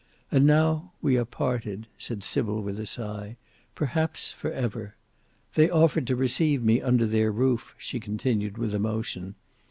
And now we are parted," said Sybil, with a sigh, "perhaps for ever. They offered to receive me under their roof," she continued, with emotion.